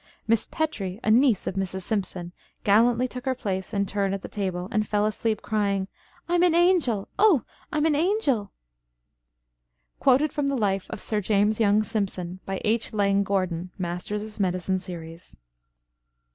Miss Petrie, a niece of Mrs. Simpson, gallantly took her place and turn at the table, and fell asleep, crying: 'I'm an angel! Oh, I'm an angel!'" Quoted from "The Life of Sir James Young Simpson," by H. Laing Gordon; Masters of Medicine Series.